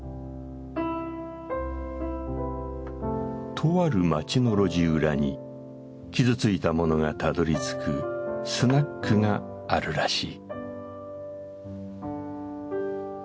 とある街の路地裏に傷ついた者がたどりつくスナックがあるらしい